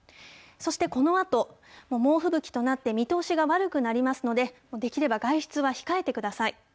そしてこのあと、猛吹雪となって、見通しが悪くなりますので、できれば外出は控えてください。